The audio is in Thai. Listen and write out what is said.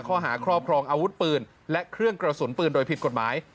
ข้อหาครอบครองอาวุธปืนและเครื่องกระสุนปืนโดยผิดกฎหมาย